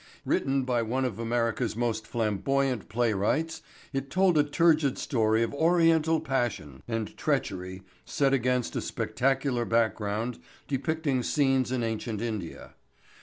Written by one of America's most flamboyant playwrights it told a turgid story of Oriental passion and treachery set against a spectacular background depicting scenes in ancient India.